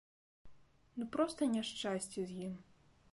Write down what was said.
Ну проста няшчасце з ім.